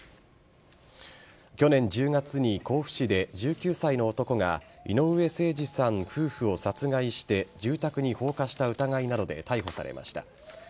去年１０月に甲府市で１９歳の男が井上盛司さん夫婦を殺害して住宅に放火した疑いなどで逮捕されました。